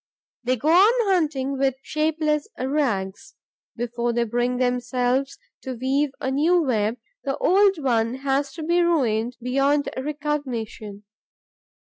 They go on hunting with shapeless rags. Before they bring themselves to weave a new web, the old one has to be ruined beyond recognition.